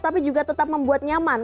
tapi juga tetap membuat nyaman